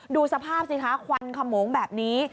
ดูสภาพสิคะควันขโมงแบบนี้